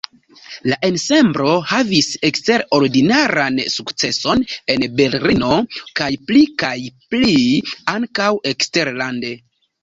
La ensemblo havis eksterordinaran sukceson en Berlino, kaj pli kaj pli ankaŭ eksterlande.